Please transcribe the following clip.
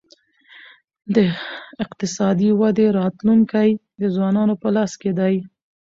د اقتصادي ودې راتلونکی د ځوانانو په لاس کي دی.